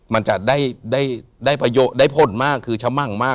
มันจะได้ประโยชน์ได้ผลมากคือชะมั่งมาก